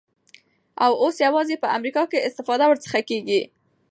او اوس یوازی په امریکا کي استفاده ورڅخه کیږی